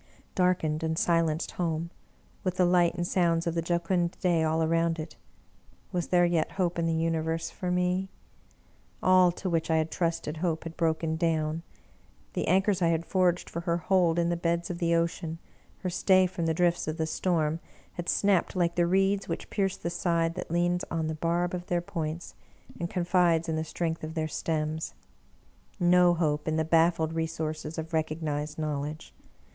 Darkened and silenced home, with the light and sounds of the jocund day all around it. Was there yet hope in the Universe for me? All to which I had trusted Hope had broken down; the anchors I had forged for her hold in the beds of the ocean, her stay from the drifts of the storm, had snapped Hke the reeds which pierce the side that leans on the barb of their points, and confides in the strength of their stems. No hope in the baffled resources of recognized knowledge